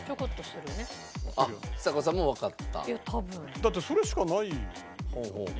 だってそれしかないよね？